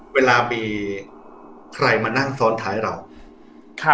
เวลามีใครมานั่งซ้อนท้ายเรา